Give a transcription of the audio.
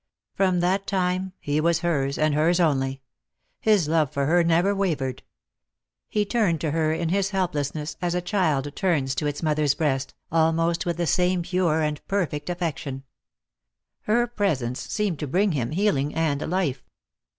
From that time he was hers, and hers only. His love for her never wavered. He turned to her in his helplessness as a child turns to its mother's breast, almost with the same pure and perfect affection. Her presence seemed to bring him healing and life.